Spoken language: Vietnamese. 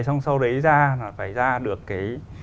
xong sau đấy ra là phải ra được cái